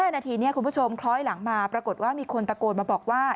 นาทีนี้คุณผู้ชมคล้อยหลังมาปรากฏว่ามีคนตะโกนมาบอกว่า